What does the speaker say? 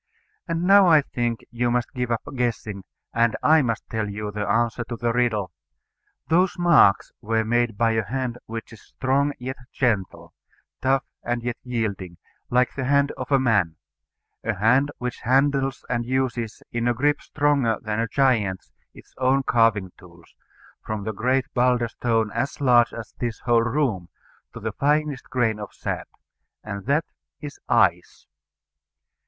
And now I think you must give up guessing, and I must tell you the answer to the riddle. Those marks were made by a hand which is strong and yet gentle, tough and yet yielding, like the hand of a man; a hand which handles and uses in a grip stronger than a giant's its own carving tools, from the great boulder stone as large as this whole room to the finest grain of sand. And that is ICE.